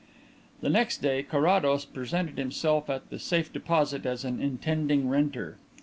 The next day Carrados presented himself at the safe deposit as an intending renter.